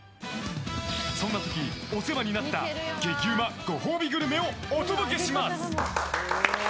そんな時、お世話になった激うまご褒美グルメをお届けします。